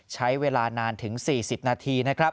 ใช้เวลานานถึง๔๐นาที